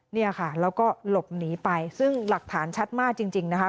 เนี่ยค่ะแล้วก็หลบหนีไปซึ่งหลักฐานชัดมากจริงนะคะ